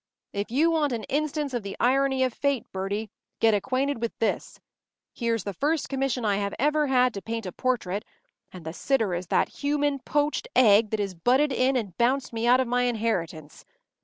If you want an instance of the irony of fate, Bertie, get acquainted with this. Here’s the first commission I have ever had to paint a portrait, and the sitter is that human poached egg that has butted in and bounced me out of my inheritance.